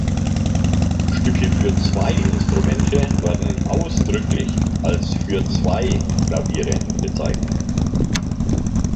Stücke für zwei Instrumente werden ausdrücklich als „für zwei Klaviere“ bezeichnet.